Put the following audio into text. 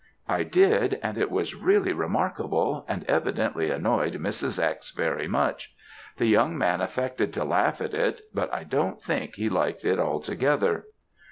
"I did, and it was really remarkable, and evidently annoyed Mrs. X. very much. The young man affected to laugh at it, but I don't think he liked it altogether.